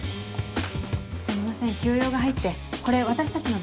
すいません急用が入ってこれ私たちの分です。